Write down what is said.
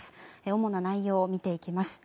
主な内容を見ていきます。